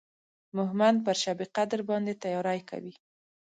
مهمند پر شبقدر باندې تیاری کوي.